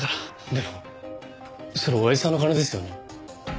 でもそれおやじさんの金ですよね？